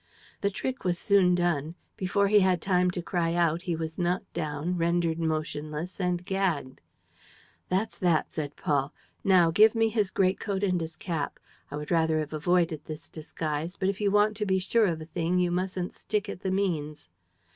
The trick was soon done. Before he had time to cry out, he was knocked down, rendered motionless and gagged. "That's that," said Paul. "Now give me his great coat and his cap. I would rather have avoided this disguise; but, if you want to be sure of a thing, you mustn't stick at the means."